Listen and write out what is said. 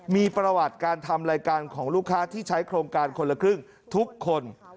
มีประวัติการทำรายการของลูกค้าที่ใช้โครงการคนละครึ่งทุกคน